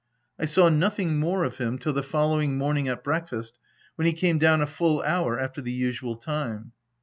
I saw nothing more of him till the following morning at breakfast, when he came down a full hour after the usual time.